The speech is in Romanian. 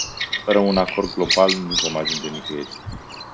Fără un acord global, nu vom ajunge nicăieri.